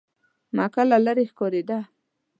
مکه له لرې ښکارېده.